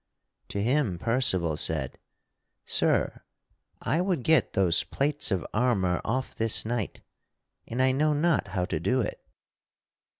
To him Percival said: "Sir, I would get those plates of armor off this knight, and I know not how to do it!"